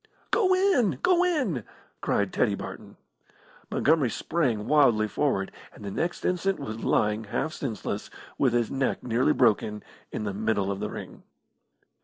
"Go in! Go in!" cried Teddy Barton. Montgomery sprang wildly forward, and the next instant was lying half senseless, with his neck nearly broken, in the middle of the ring.